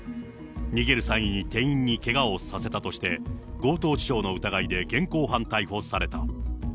逃げる際に店員にけがをさせたとして、強盗致傷の疑いで現行犯逮捕された。